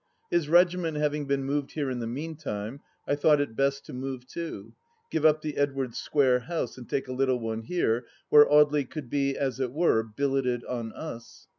His regiment having been moved here in the meantime, I thought it best to move too : give up the Edwardes Square house and take a little one here, where Audely could be, as it were, billeted on us.